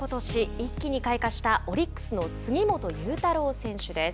一気に開花したオリックスの杉本裕太郎選手です。